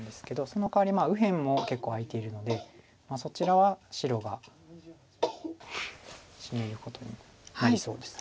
そのかわり右辺も結構空いているのでそちらは白が占めることになりそうです。